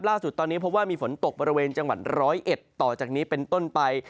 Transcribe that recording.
ล่าสุดตอนนี้พบว่ามีฝนตกบริเวณจังหวัดร้อยเอ็ดต่อจากนี้เป็นต้นไป